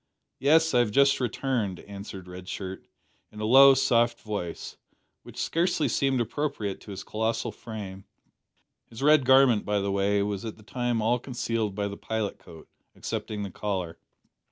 "Yes; I have just returned," answered Red Shirt, in a low soft voice, which scarcely seemed appropriate to his colossal frame. His red garment, by the way, was at the time all concealed by the pilot coat, excepting the collar.